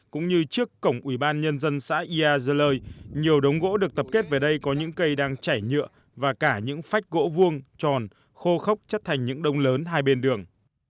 cũng như trước cổng ubnd xã ea dơ lơi nhiều đống gỗ được tập kết về đây có những cây đang chảy nhựa và cả những phách gỗ vuông tròn khô khốc chất thành những đông lớn hai bên đường